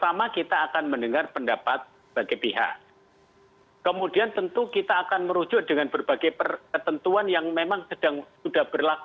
jadi begini pertama kita akan mendengar pendapat berbagai pihak kemudian tentu kita akan merujuk dengan berbagai ketentuan yang memang sedang sudah berlaku